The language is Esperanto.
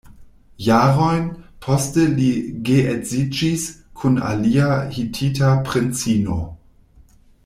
Jarojn poste li geedziĝis kun alia hitita princino.